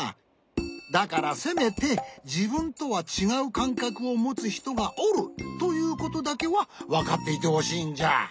だからせめてじぶんとはちがうかんかくをもつひとがおるということだけはわかっていてほしいんじゃ。